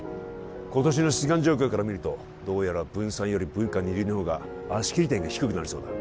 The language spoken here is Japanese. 今年の出願状況から見るとどうやら文３より文科２類の方が足切り点が低くなりそうだ